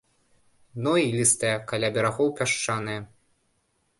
Дно ілістае, каля берагоў пясчанае.